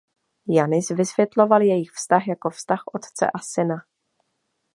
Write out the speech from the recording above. Janis vysvětloval jejich vztah jako vztah otce a syna.